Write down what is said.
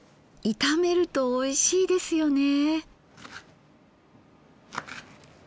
炒めるとおいしいですよね。